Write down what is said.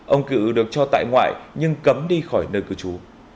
ông cựu được cho tại ngoại nhưng cấm đi khỏi nơi cửa chú